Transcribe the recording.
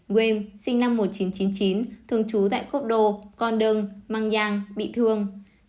bảy nguêm sinh năm một nghìn chín trăm chín mươi chín thường trú tại cốc đô con đơn mang giang bị thương